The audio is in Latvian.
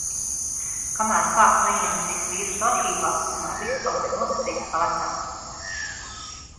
Kamēr kāds "neienesīs" vīrusu arhīvā, tikmēr viss paliks nosacīti pa vecam.